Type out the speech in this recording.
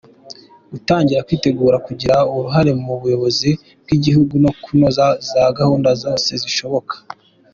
Gutangira kwitegura kugira uruhare mu buyobozi bw’igihugu no kunoza za gahunda zose zishoboka.